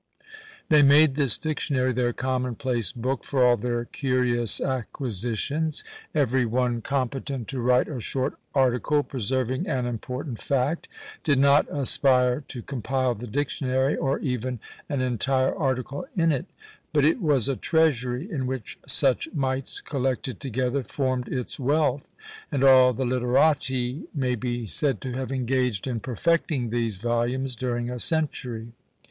They made this dictionary their commonplace book for all their curious acquisitions; every one competent to write a short article, preserving an important fact, did not aspire to compile the dictionary, or even an entire article in it; but it was a treasury in which such mites collected together formed its wealth; and all the literati may be said to have engaged in perfecting these volumes during a century.